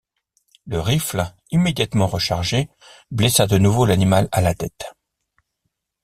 Le rifle, immédiatement rechargé, blessa de nouveau l’animal à la tête.